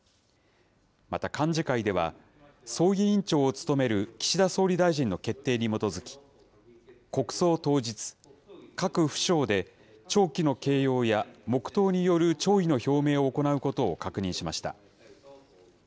また、幹事会では、葬儀委員長を務める岸田総理大臣の決定に基づき、国葬当日、各府省で、弔旗の掲揚や黙とうによる弔意の表明を行うことを確認しました。